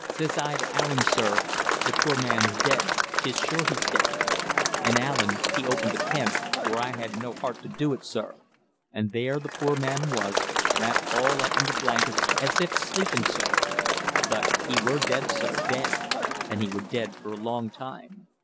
Says I to Allen, sir, 'Th' poor man's dead, 'tis sure he's dead.' An' Allen he opened th' tent; for I had no heart to do it, sir, and there th' poor man was, wrapped all up in th' blankets as if sleepin', sir. But he were dead, sir, dead; and he were dead for a long time.